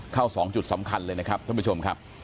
เข้าสองจุดสำคัญเลยนะครับทุกผู้ชมครับ